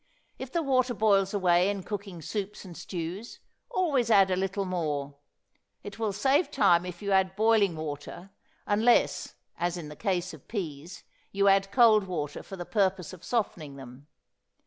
If the water boils away in cooking soups and stews always add a little more; it will save time if you add boiling water, unless as in the case of peas, you add cold water for the purpose of softening them.